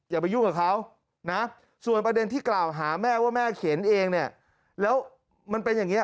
อย่าไปยุ่งกับเขานะส่วนประเด็นที่กล่าวหาแม่ว่าแม่เขียนเองเนี่ยแล้วมันเป็นอย่างนี้